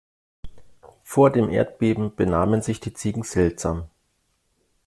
Vor dem Erdbeben benahmen sich die Ziegen seltsam.